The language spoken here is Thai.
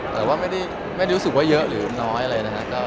แต่ว่าไม่ได้รู้สึกว่าเยอะหรือน้อย